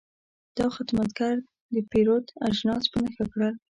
دا خدمتګر د پیرود اجناس په نښه کړل.